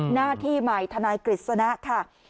หน้าที่ใหม่ทนายกฤษณะค่ะ